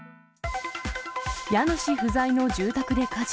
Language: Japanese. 家主不在の住宅で火事。